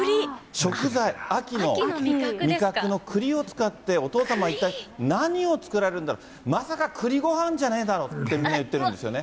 食材、秋の味覚のくりを使って、お父様一体、何を作られるんだ、まさかくりごはんじゃねえだろってみんな言ってるんですよね。